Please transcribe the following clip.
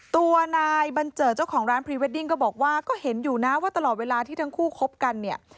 ตัวนายบัญเจิดเจ้าของร้านพรีเวดดิ้งก็บอกว่าก็เห็นอยู่นะว่าตลอดเวลาที่ทั้งคู่คบกันเนี่ย